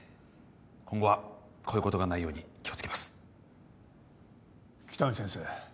今後はこういうことがないように気をつけます喜多見先生